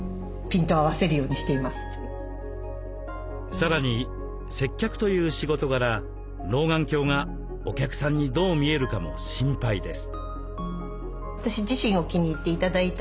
さらに接客という仕事柄老眼鏡がお客さんにどう見えるかも心配です。